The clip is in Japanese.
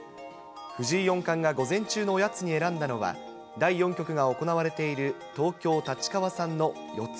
藤井四冠が午前中のおやつに選んだのは、第４局が行われている東京・立川産のよ